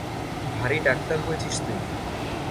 ভারি ডাক্তার হয়েছিস তুই!